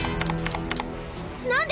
何で？